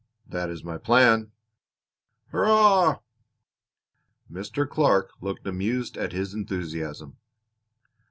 "That is my plan." "Hurrah!" Mr. Clark looked amused at his enthusiasm.